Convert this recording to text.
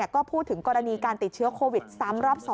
ก็พูดถึงกรณีการติดเชื้อโควิดซ้ำรอบ๒